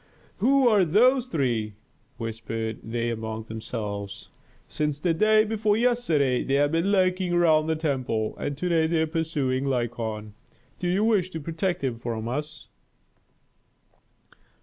"Who are those three?" whispered they among themselves. "Since the day before yesterday they have been lurking around the temple, and to day they are pursuing Lykon. Do they wish to protect him from us?"